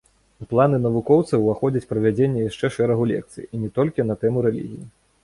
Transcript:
У планы навукоўца уваходзіць правядзенне яшчэ шэрагу лекцый і не толькі на тэму рэлігіі.